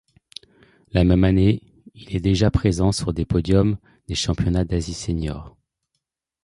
La même année, il est déjà présent sur les podiums des championnats d'Asie sénior.